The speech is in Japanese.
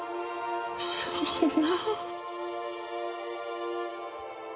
そんな。